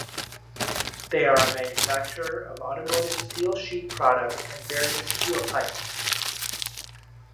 They are a manufacturer of automotive steel sheet products and various steel pipes.